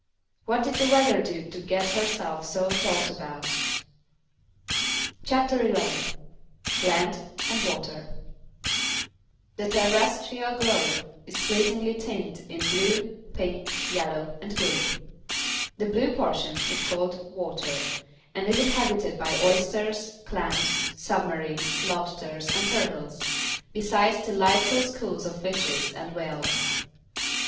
_ What did the Weather do to get herself so talked about? CHAPTER XI LAND AND WATER [Illustration: STEAMSHIP BATTLING WITH THE MARCEL WAVES] The terrestrial Globe is pleasingly tinted in blue, pink, yellow and green. The blue portion is called Water and is inhabited by oysters, clams, submarines, lobsters and turtles, besides delightful schools of fishes and whales.